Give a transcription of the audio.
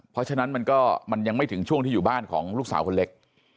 เพราะฉะนั้นมันก็มันยังไม่ถึงช่วงที่อยู่บ้านของลูกสาวคนเล็ก